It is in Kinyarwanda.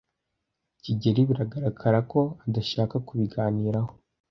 kigeli biragaragara ko adashaka kubiganiraho.